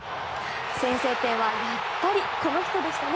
先制点はやっぱりこの人でした。